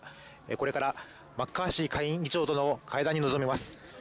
これからマッカーシー下院議長との会談に臨みます。